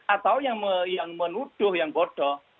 atau yang menuduh yang bodoh